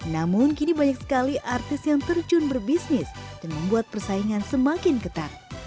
namun kini banyak sekali artis yang terjun berbisnis dan membuat persaingan semakin ketat